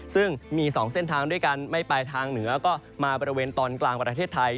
ซึ่งมี๒เส้นทางด้วยกันไม่ไปทางเหนือก็มาบริเวณตอนกลางประเทศไทย